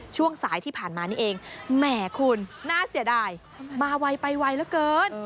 ช่วงสายที่ผ่านมานี่เองแหมคุณน่าเสียดายมาไวไปไวเหลือเกิน